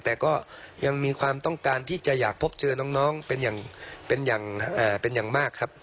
แต่ก็ยังมีความต้องการที่จะอยากพบเจอน้องเป็นอย่างมากครับ